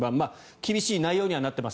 厳しい内容にはなっています。